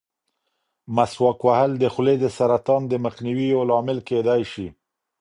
مسواک وهل د خولې د سرطان د مخنیوي یو لامل کېدای شي.